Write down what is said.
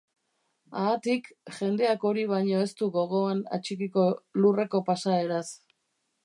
Haatik, jendeak hori baino ez du gogoan atxikiko Lurreko pasaeraz.